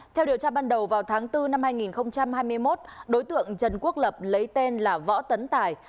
theo điều tra ban đầu vào tháng bốn năm hai nghìn hai mươi một đối tượng trần quốc lập lấy tên là võ tấn tài